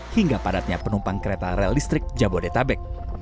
hingga padatnya penumpang kereta rel listrik jabodetabek